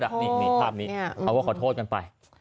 ที่ทำลงไป